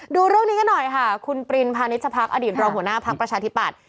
ดูเรื่องนี้กันหน่อยค่ะคุณปรินพาณิชพักอดีตรองหัวหน้าพักประชาธิปัตย